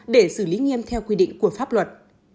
để xử lý nghiêm theo quy định của pháp luật